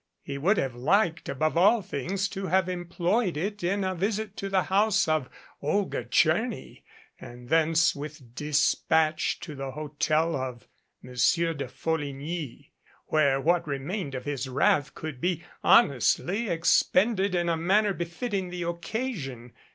He would have liked above all things to have em ployed it in a visit to the house of Olga Tcherny and thence with dispatch to the hotel of Monsieur de Folligny, where what remained of his wrath could be honestly ex pended in a manner befitting the occasion.